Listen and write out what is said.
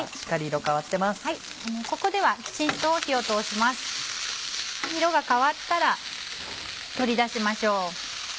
色が変わったら取り出しましょう。